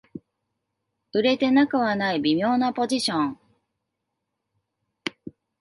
売れてなくはない微妙なポジション